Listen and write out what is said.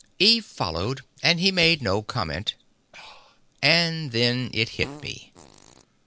Eve followed, and he made no comment. And then it hit me.